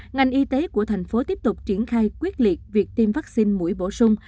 ngành y tế của thành phố tiếp tục triển khai quyết liệt việc tiêm vaccine mũi bổ sung